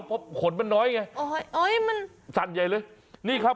ผมขนมันน้อยไงอ้อยมันฟั่นใหญ่นี่ครับ